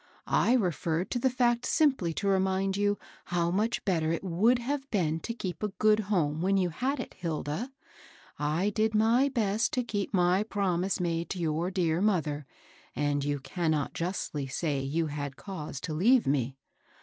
I referred to the feet simply to remind you how much better it would have been to keep a good home when you had it, Hilda. I did my best to keep my promise made to your dear mother^ and you cannot justly say you had cause to leave me."